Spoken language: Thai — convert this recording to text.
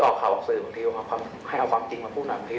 เขาแหละที่เป็นคนหาเรื่องผมก่อนถึงสองรอบพี่